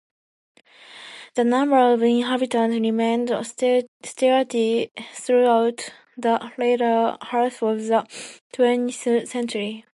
The number of inhabitants remained steady throughout the latter half of the twentieth century.